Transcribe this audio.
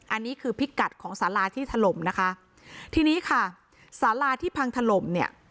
อันนี้คือพิกัดของสาราที่ถล่มนะคะทีนี้ค่ะสาราที่พังถล่มเนี่ย